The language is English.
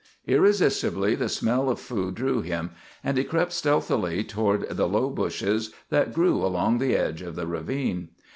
Irresistibly the smell of food drew him, and he crept stealthily toward the low bushes that grew along the edge of the ravine.